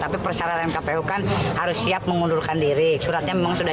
tapi persyaratan kpu kan harus siap mengundurkan diri suratnya memang sudah